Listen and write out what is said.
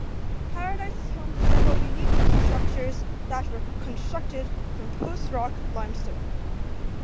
Paradise is home to several unique structures that were constructed from Post Rock Limestone.